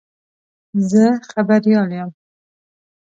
زه خبریال یم.